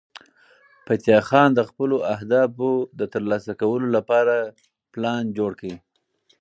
فتح خان د خپلو اهدافو د ترلاسه کولو لپاره پلان جوړ کړ.